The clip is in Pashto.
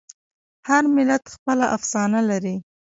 هر ملت خپله افسانه لري.